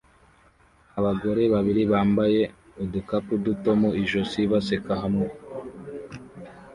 Abagore babiri bambaye udukapu duto mu ijosi baseka hamwe